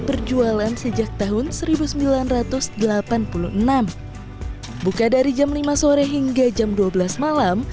berjualan sejak tahun seribu sembilan ratus delapan puluh enam buka dari jam lima sore hingga jam dua belas malam